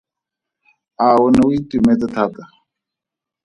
A o ne o itumetse thata?